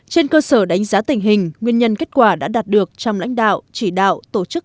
trên cơ sở đánh giá tình hình nguyên nhân kết quả đã đạt được trong lãnh đạo chỉ đạo tổ chức